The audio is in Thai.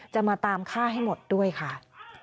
จะมาตามฆ่าให้หมดด้วยค่ะ